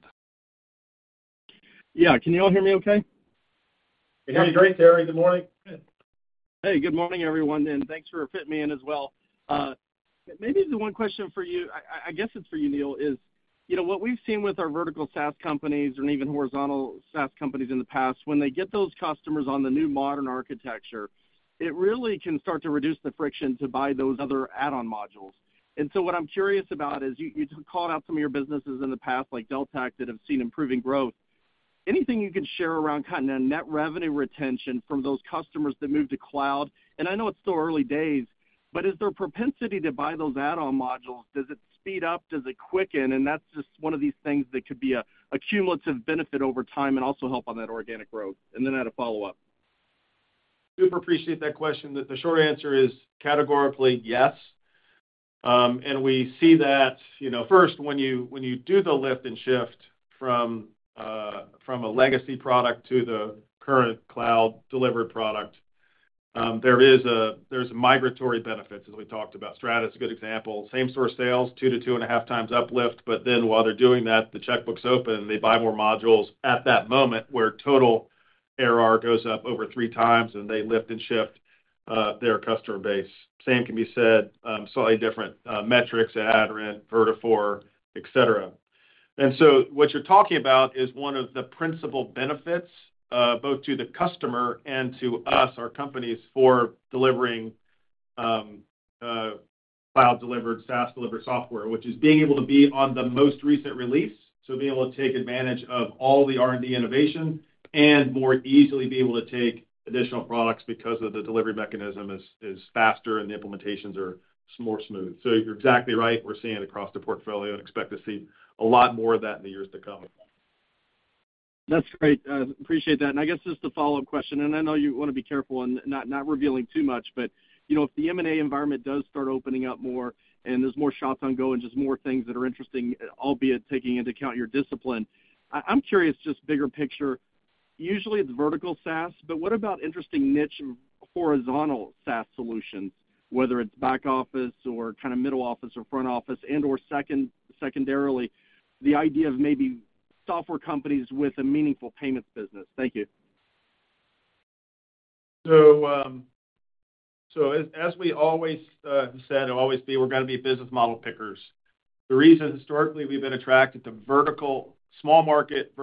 Yeah. Can you all hear me okay? We hear you great, Terry. Good morning. Hey, good morning, everyone, and thanks for fitting me in as well. Maybe the one question for you, I guess it's for you, Neil, is: You know what we've seen with our vertical SaaS companies and even horizontal SaaS companies in the past, when they get those customers on the new modern architecture, it really can start to reduce the friction to buy those other add-on modules. And so what I'm curious about is, you called out some of your businesses in the past, like Deltek, that have seen improving growth. Anything you can share around kind of net revenue retention from those customers that moved to cloud? And I know it's still early days, but is there a propensity to buy those add-on modules? Does it speed up? Does it quicken? And that's just one of these things that could be a cumulative benefit over time and also help on that organic growth. And then I had a follow-up. Super appreciate that question. The short answer is categorically yes. And we see that, you know, first, when you do the lift and shift from a legacy product to the current cloud delivery product, there's migratory benefits, as we talked about. Strata is a good example. Same-store sales, 2x-2.5x uplift, but then while they're doing that, the checkbook's open, they buy more modules at that moment where total ARR goes up over 3x, and they lift and shift their customer base. Same can be said, slightly different metrics at Aderant, Vertafore, et cetera. What you're talking about is one of the principal benefits, both to the customer and to us, our companies, for delivering cloud-delivered, SaaS-delivered software, which is being able to be on the most recent release. So being able to take advantage of all the R&D innovation and more easily be able to take additional products because of the delivery mechanism is faster and the implementations are smoother. So you're exactly right. We're seeing it across the portfolio and expect to see a lot more of that in the years to come. That's great. Appreciate that. And I guess just a follow-up question, and I know you want to be careful on not, not revealing too much, but, you know, if the M&A environment does start opening up more, and there's more shops on go and just more things that are interesting, albeit taking into account your discipline, I, I'm curious, just bigger picture, usually it's vertical SaaS, but what about interesting niche horizontal SaaS solutions, whether it's back office or kind of middle office or front office and/or second- secondarily, the idea of maybe software companies with a meaningful payments business? Thank you. So, as we always said and always be, we're gonna be business model pickers. The reason, historically, we've been attracted to vertical, small market,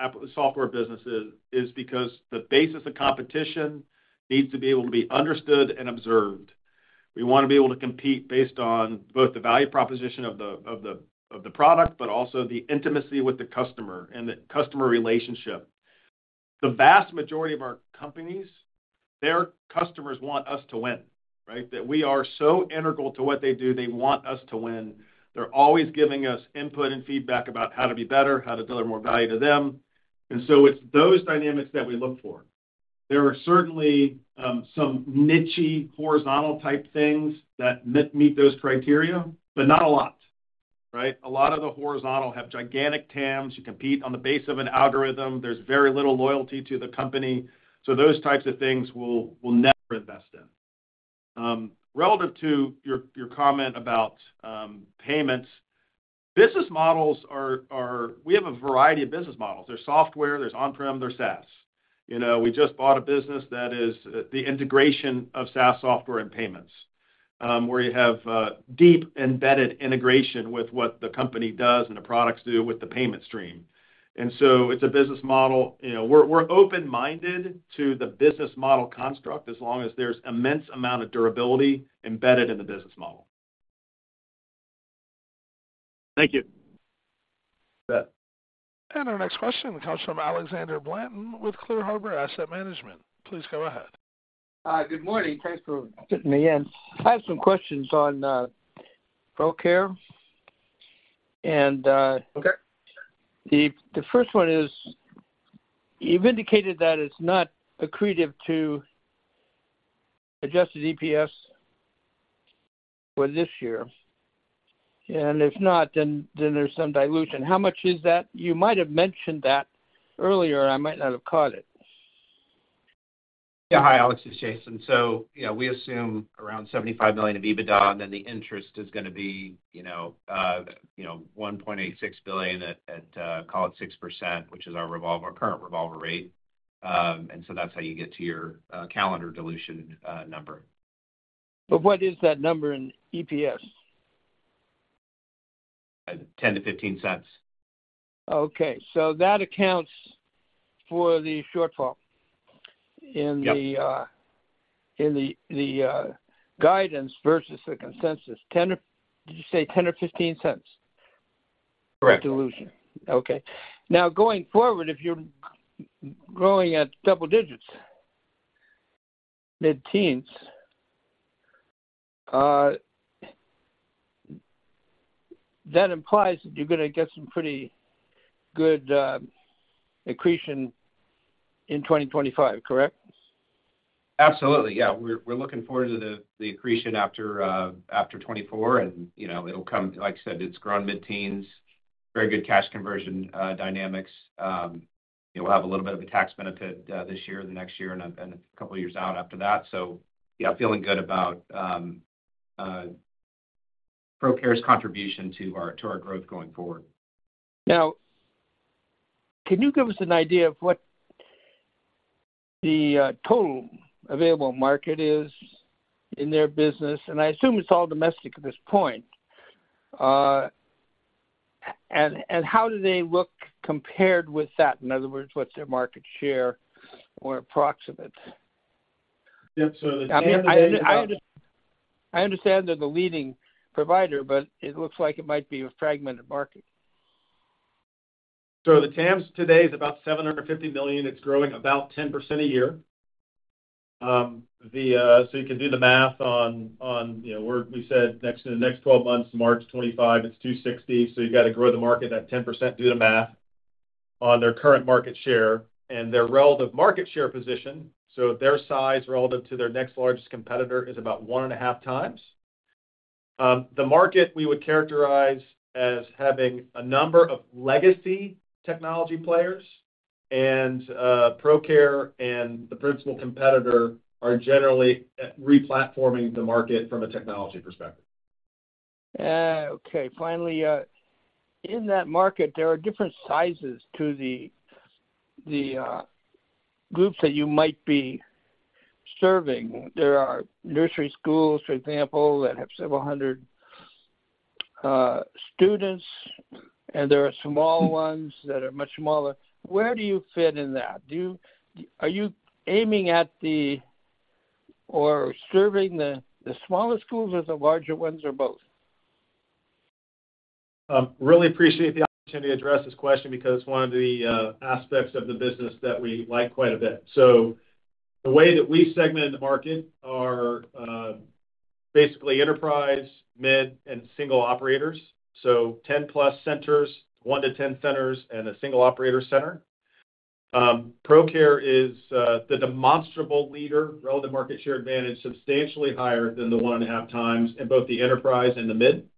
verticalized software businesses is because the basis of competition needs to be able to be understood and observed. We want to be able to compete based on both the value proposition of the, of the, of the product, but also the intimacy with the customer and the customer relationship. The vast majority of our companies, their customers want us to win, right? That we are so integral to what they do, they want us to win. They're always giving us input and feedback about how to be better, how to deliver more value to them. And so it's those dynamics that we look for. There are certainly some niche-y, horizontal type things that meet those criteria, but not a lot, right? A lot of the horizontal have gigantic TAMs. You compete on the base of an algorithm. There's very little loyalty to the company, so those types of things we'll never invest in. Relative to your comment about payments, business models are. We have a variety of business models. There's software, there's on-prem, there's SaaS. You know, we just bought a business that is the integration of SaaS software and payments, where you have deep embedded integration with what the company does and the products do with the payment stream. And so it's a business model. You know, we're open-minded to the business model construct as long as there's immense amount of durability embedded in the business model. Thank you. You bet. Our next question comes from Alexander Blanton with Clear Harbor Asset Management. Please go ahead. Hi, good morning. Thanks for fitting me in. I have some questions on Procare. Okay. The first one is, you've indicated that it's not accretive to adjusted EPS for this year. And if not, then there's some dilution. How much is that? You might have mentioned that earlier, I might not have caught it. Yeah. Hi, Alex, it's Jason. So yeah, we assume around $75 million of EBITDA, and then the interest is gonna be, you know, you know, $1.86 billion at, at, call it 6%, which is our revolver, current revolver rate. And so that's how you get to your, calendar dilution, number. But what is that number in EPS? $0.10-$0.15. Okay, so that accounts for the shortfall in the guidance versus the consensus. $.10 or, did you say $.10 or $.15? Correct. Dilution. Okay. Now, going forward, if you're growing at double digits, mid-teens, that implies that you're gonna get some pretty good accretion in 2025, correct? Absolutely. Yeah. We're looking forward to the accretion after 2024, and you know, it'll come... Like I said, it's grown mid-teens, very good cash conversion dynamics. We'll have a little bit of a tax benefit this year, the next year, and a couple of years out after that. So yeah, feeling good about Procare's contribution to our growth going forward. Now, can you give us an idea of what the total available market is in their business? I assume it's all domestic at this point. How do they look compared with that? In other words, what's their market share or approximate? Yeah, so the- I understand they're the leading provider, but it looks like it might be a fragmented market. So the TAM today is about $750 million. It's growing about 10% a year. So you can do the math on, on, you know, we're-- we said next, in the next twelve months, March 2025, it's $260. So you've got to grow the market at 10%, do the math on their current market share and their relative market share position. So their size relative to their next largest competitor is about one and a half times. The market we would characterize as having a number of legacy technology players, and Procare and the principal competitor are generally replatforming the market from a technology perspective. Okay. Finally, in that market, there are different sizes to the groups that you might be serving. There are nursery schools, for example, that have several hundred students, and there are small ones that are much smaller. Where do you fit in that? Do you? Are you aiming at the, or serving the smaller schools or the larger ones or both? Really appreciate the opportunity to address this question because one of the aspects of the business that we like quite a bit. So the way that we segment the market are basically enterprise, mid, and single operators. So 10-plus centers, 1-10 centers, and a single operator center. Procare is the demonstrable leader, relative market share advantage, substantially higher than the 1.5 times in both the enterprise and the mid.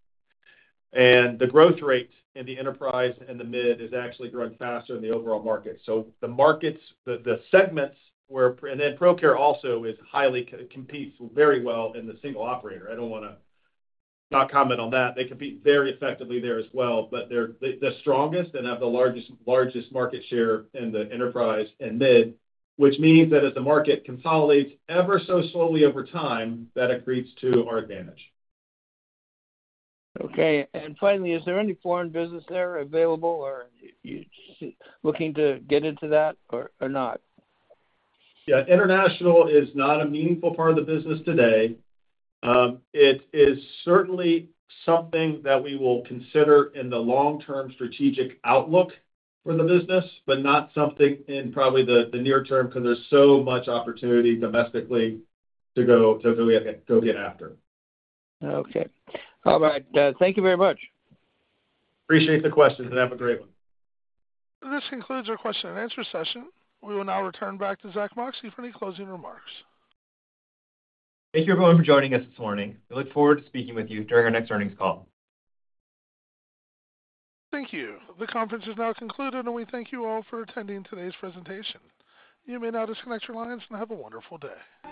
And the growth rate in the enterprise and the mid is actually growing faster than the overall market. So the markets, the segments where Procare also is highly, competes very well in the single operator. I don't want to not comment on that. They compete very effectively there as well, but they're the strongest and have the largest market share in the enterprise and mid, which means that as the market consolidates ever so slowly over time, that accretes to our advantage. Okay. Finally, is there any foreign business there available, or you looking to get into that or not? Yeah, international is not a meaningful part of the business today. It is certainly something that we will consider in the long-term strategic outlook for the business, but not something in probably the near term, because there's so much opportunity domestically to go to get after. Okay. All right, thank you very much. Appreciate the question, and have a great one. This concludes our question and answer session. We will now return back to Zack Moxcey for any closing remarks. Thank you, everyone, for joining us this morning. We look forward to speaking with you during our next earnings call. Thank you. The conference is now concluded, and we thank you all for attending today's presentation. You may now disconnect your lines and have a wonderful day.